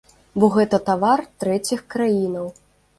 Бо гэта тавар трэціх краінаў.